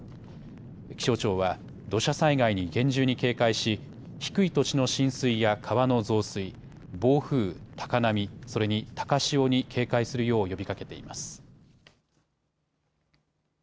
気象庁は土砂災害に厳重に警戒し、低い土地の浸水や川の増水、暴風、高波、それに高潮に警戒するよう呼びかけています。